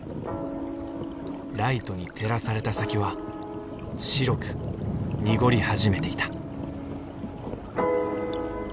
ライトに照らされた先は白く濁り始めていた。